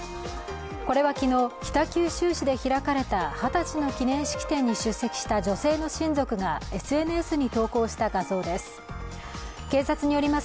これは昨日、北九州市で開かれた二十歳の記念式典に出席した女性の親族がＳＮＳに投稿した画像です。